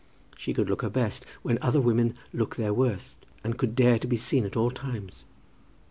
She could look her best when other women look their worst, and could dare to be seen at all times.